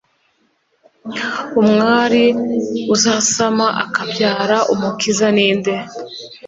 umwari uzasama akabyara umukiza ni nde